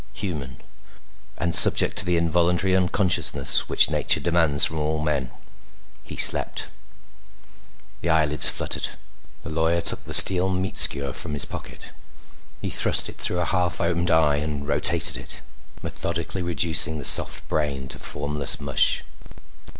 Human, and subject to the involuntary unconsciousness which nature demands from all men. He slept. The eyelids fluttered. The lawyer took the steel meat skewer from his pocket. He thrust it through a half opened eye and rotated it, methodically reducing the soft brain to formless mush.